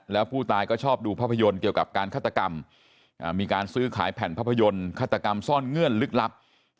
แล้วผู้ตายก็ชอบดูภาพยนตร์เกี่ยวกับการฆาตกรรมมีการซื้อขายแผ่นภาพยนตร์ฆาตกรรมซ่อนเงื่อนลึกลับ